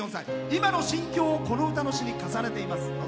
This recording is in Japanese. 今の心境をこの歌の詞に重ねています。